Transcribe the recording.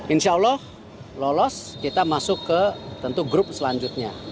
insya allah lolos kita masuk ke tentu grup selanjutnya